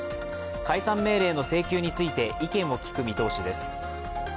解散命令の請求について意見を聞く見通しです